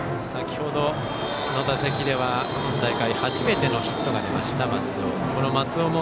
先ほどの打席では今大会初めてのヒットがあった松尾。